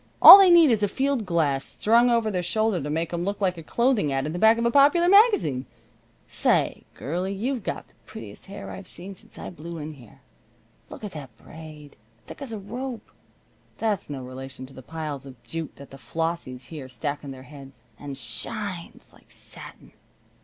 All they need is a field glass strung over their shoulder to make them look like a clothing ad in the back of a popular magazine. Say, girlie, you've got the prettiest hair I've seen since I blew in here. Look at that braid! Thick as a rope! That's no relation to the piles of jute that the Flossies here stack on their heads. And shines! Like satin."